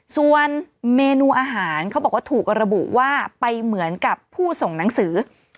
ส่วนเมนูอาหารเขาบอกว่าถูกระบุว่าไปเหมือนกับผู้ส่งหนังสือ